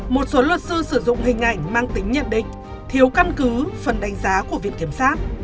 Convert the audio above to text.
một số luật sư sử dụng hình ảnh mang tính nhận định thiếu căn cứ phần đánh giá của viện kiểm sát